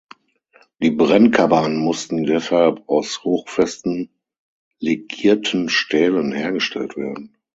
Die Brennkammern mussten deshalb aus hochfesten, legierten Stählen hergestellt werden.